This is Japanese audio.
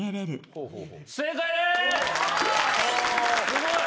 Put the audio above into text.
すごい！